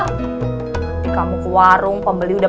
ketika kamu ke warung pembeli udah